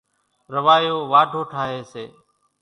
راوايو واڍو ٺاۿيَ سي۔